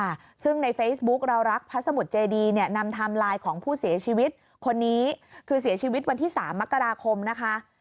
ค่ะซึ่งในเฟซบุ๊คเรารักพระสมุทรเจดีเนี่ยนำไทม์ไลน์ของผู้เสียชีวิตคนนี้คือเสียชีวิตวันที่สามมกราคมนะคะ